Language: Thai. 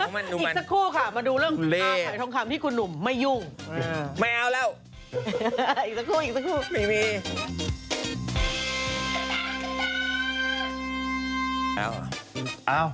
เอ้าเร็วไม่เอาเอ้า